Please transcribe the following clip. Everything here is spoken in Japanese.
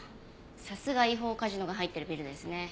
さすが違法カジノが入ってるビルですね。